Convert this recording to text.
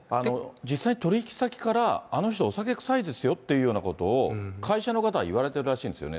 実際に取り引き先から、あの人、お酒臭いですよというようなことを会社の方が言われてるらしいんですよね。